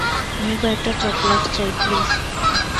আমি কয়েকটা চকোলেট চাই, প্লিজ।